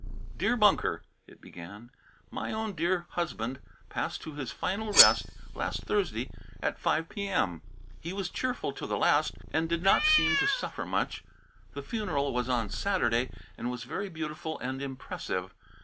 "Dear Bunker" [it began], "my own dear husband passed to his final rest last Thursday at 5 p.m. He was cheerful to the last and did not seem to suffer much. The funeral was on Saturday and was very beautiful and impressive.